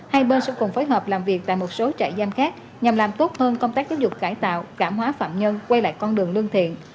hai bên sẽ cùng phối hợp làm việc tại một số trại giam khác nhằm làm tốt hơn công tác giáo dục cải tạo cảm hóa phạm nhân quay lại con đường lương thiện